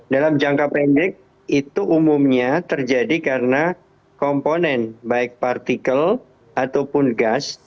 dalam jangka pendek itu umumnya terjadi karena komponen baik partikel ataupun gas